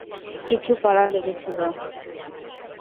কিছু কড়া লেগেছিল।